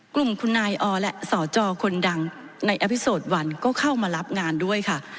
กลุ่มคุณนายอและสจคนดังในอภิโสดวันก็เข้ามารับงานด้วยค่ะ